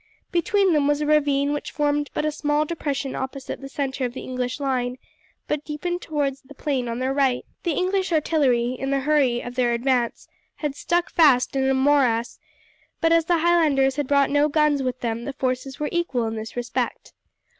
Between them was a ravine which formed but a small depression opposite the centre of the English line, but deepened towards the plain on their right. The English artillery, in the hurry of their advance, had stuck fast in a morass, but as the Highlanders had brought no guns with them the forces were equal in this respect.